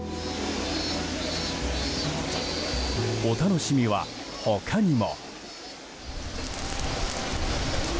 お楽しみは、他にも。